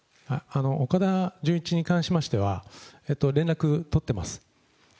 岡田准一に関しましては、連絡取ってます。